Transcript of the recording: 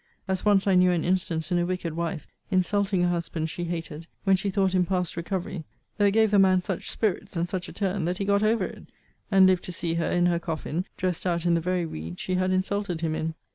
as once I knew an instance in a wicked wife; insulting a husband she hated, when she thought him past recovery: though it gave the man such spirits, and such a turn, that he got over it, and lived to see her in her coffin, dressed out in the very weeds she had insulted him in.